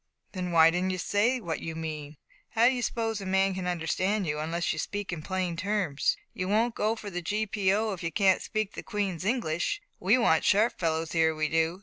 "Then w'y don't you say what you mean? How d'you suppose a man can understand you unless you speak in plain terms? You won't do for the GPO if you can't speak the Queen's English. We want sharp fellows here, we do.